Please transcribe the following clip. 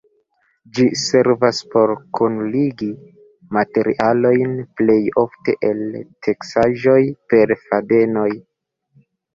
Ĝi servas por kunligi materialojn plej ofte el teksaĵoj per fadenoj.